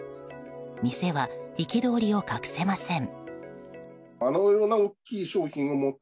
店は憤りを隠せません。